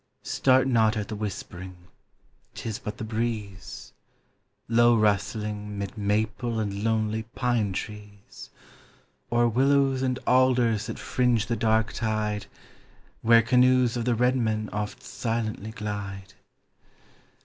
Start not at the whispering, 'tis but the breeze, Low rustling, 'mid maple and lonely pine trees, Or willows and alders that fringe the dark tide Where canoes of the red men oft silently glide.